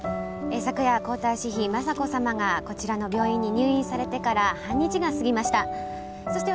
昨夜皇太子妃雅子さまがこちらの病院に入院されてから半日が過ぎました。